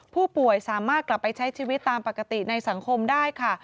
ผู้ป่วยสามารถกลับไปใช้ชีวิตตามปกติในสังคมได้ค่ะ